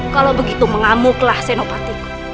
kalau begitu mengamuklah senopatiku